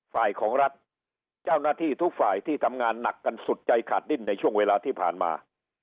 ฝ่ายของรัฐเจ้าหน้าที่ทุกฝ่ายที่ทำงานหนักกันสุดใจขาดดิ้นในช่วงเวลาที่ผ่านมา